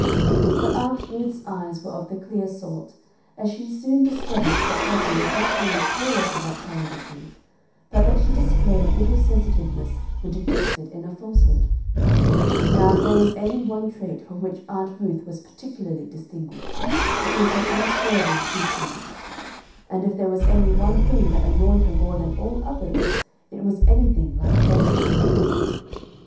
But Aunt Ruth's eyes were of the clear sort, and she soon discovered that Bessie was not only careless about telling the truth, but that she displayed little sensitiveness when detected in a falsehood. [Illustration: The Spelling Class] Now, if there was any one trait for which Aunt Ruth was particularly distinguished, it was her unswerving truthfulness; and if there was any one thing that annoyed her more than all others, it was anything like falsehood.